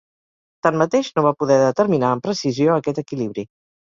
Tanmateix, no va poder determinar amb precisió aquest equilibri.